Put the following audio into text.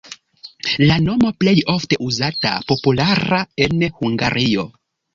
La nomo plej ofte uzata, populara en Hungario.